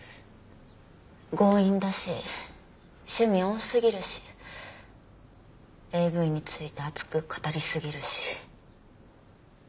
強引だし趣味多すぎるしＡＶについて熱く語りすぎるし。